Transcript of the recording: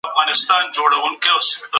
کله کلتوري تنوع ته درناوی کیږي؟